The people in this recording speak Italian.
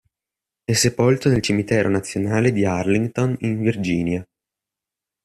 È sepolto nel cimitero nazionale di Arlington in Virginia.